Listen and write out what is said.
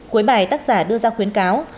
cuối bài tác giả đưa ra khuyến cáo